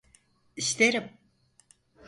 İsterim.